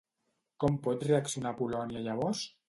Com pot reaccionar Polònia llavors?